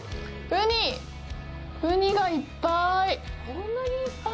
ウニがいっぱい！